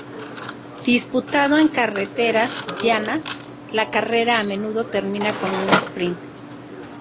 Disputado en carreteras llanas, la carrera a menudo termina con un sprint.